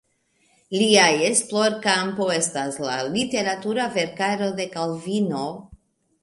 Lia esplorkampo estas la literatura verkaro de Kalvino.